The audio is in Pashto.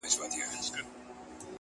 د دوستانو له بېلتون څخه کړېږې-